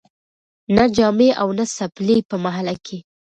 نه جامې او نه څپلۍ په محله کي